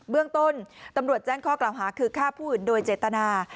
เรื่องต้นตำรวจแจ้งข้อกล่าวหาคือฆ่าผู้อื่นโดยเจตนา